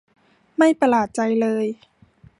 ไม่ประลาดใจเลย